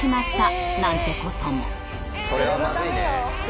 それはまずいね。